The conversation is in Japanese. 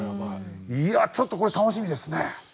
いやちょっとこれ楽しみですね。